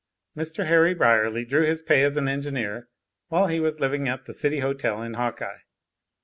Mr. Harry Brierly drew his pay as an engineer while he was living at the City Hotel in Hawkeye.